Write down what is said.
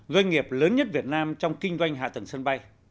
doanh nghiệp lớn nhất việt nam trong kinh doanh hạ tầng sân bay